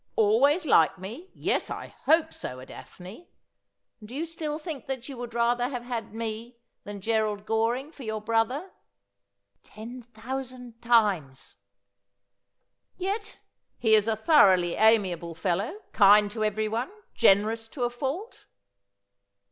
' Always like me. Yes, I hope so. Daphne. And do you still think that you would rather have had me than Gerald Goring for your brother ?'' Ten thousand times.' ' Yet he is a thoroughly amiable fellow, kind to everyone, generous to a fault.'